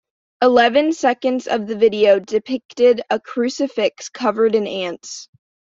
Eleven seconds of the video depicted a crucifix covered in ants.